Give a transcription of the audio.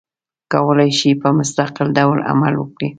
کولای شي په مستقل ډول عمل وکړي.